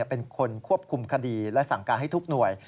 เป็นคนควบคุมคดีและสั่งการให้ทุกหน่วย